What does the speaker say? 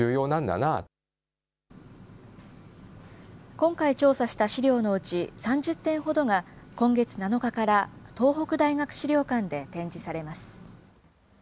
今回調査した資料のうち、３０点ほどが、今月７日から東北大学史料館で展示されます。